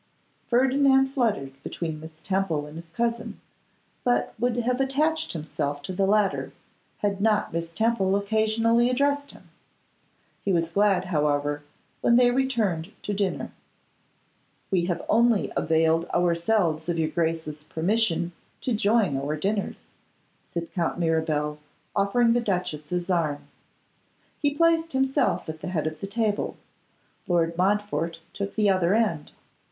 Ferdinand fluttered between Miss Temple and his cousin; but would have attached himself to the latter, had not Miss Temple occasionally addressed him. He was glad, however, when they returned to dinner. 'We have only availed ourselves of your Grace's permission to join our dinners,' said Count Mirabel, offering the duchess his arm. He placed himself at the head of the table; Lord Montfort took the other end.